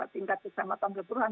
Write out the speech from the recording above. tingkat bersama tangga kelurahan